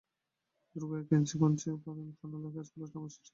দুর্গ একটা কঞ্চি দিয়া দূর জলের পানফলের গাছগুলো টানিবার চেষ্টা করিয়া পারিল না।